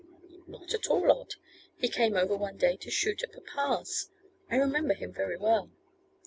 'Not at all odd. He came over one day to shoot at papa's. I remember him very well.